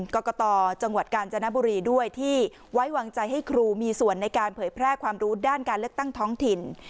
กรกตจังหวัดกาญจนบุรีด้วยที่ไว้วางใจให้ครูมีส่วนในการเผยแพร่ความรู้ด้านการเลือกตั้งท้องถิ่น